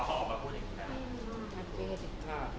ขอออกมาพูดอีกครั้ง